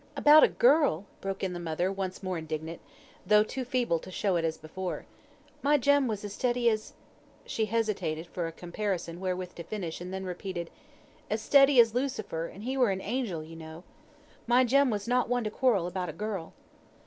"About a girl!" broke in the mother, once more indignant, though too feeble to show it as before. "My Jem was as steady as " she hesitated for a comparison wherewith to finish, and then repeated, "as steady as Lucifer, and he were an angel, you know. My Jem was not one to quarrel about a girl."